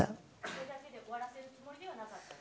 あれだけで終わらせるつもりではなかったと。